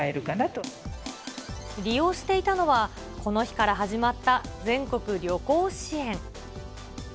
利用していたのは、この日から始まった全国旅行支援。